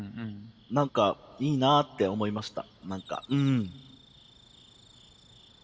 何かいいなって思いました。